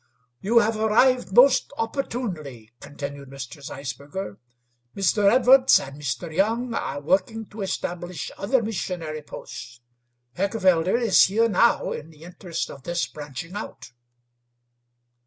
"You have arrived most opportunely," continued Mr. Zeisberger. "Mr. Edwards and Mr. Young are working to establish other missionary posts. Heckewelder is here now in the interest of this branching out."